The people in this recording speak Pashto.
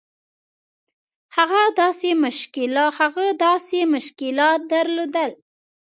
هغه داسې مشکلات درلودل.